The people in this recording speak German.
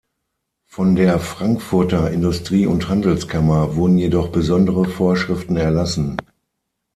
Von der Frankfurter Industrie- und Handelskammer wurden jedoch besondere Vorschriften erlassen.